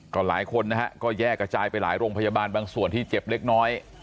ก็หลายคนนะฮะก็แยกกระจายไปหลายโรงพยาบาลบางส่วนที่เจ็บเล็กน้อย